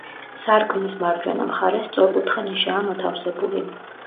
სარკმლის მარჯვენა მხარეს სწორკუთხა ნიშაა მოთავსებული.